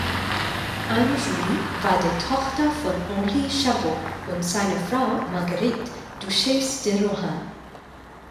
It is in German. Anne-Julie war die Tochter von Henri Chabot und seiner Frau Marguerite, Duchesse de Rohan.